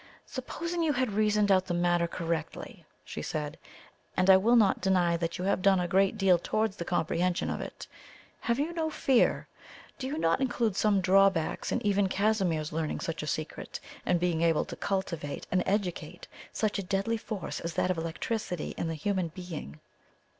"Supposing you had reasoned out the matter correctly," she said "and I will not deny that you have done a great deal towards the comprehension of it have you no fear? do you not include some drawbacks in even Casimir's learning such a secret, and being able to cultivate and educate such a deadly force as that of electricity in the human being?"